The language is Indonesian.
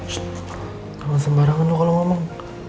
ssst kalian sembarangan tuh kalau ngomong